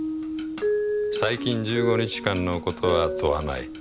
最近１５日間のことは問わない。